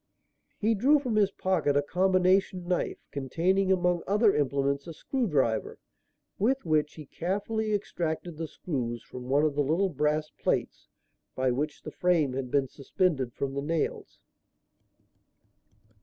He drew from his pocket a "combination" knife containing, among other implements, a screw driver, with which he carefully extracted the screws from one of the little brass plates by which the frame had been suspended from the nails.